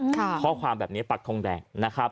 เพราะความแบบนี้ปากทงแดง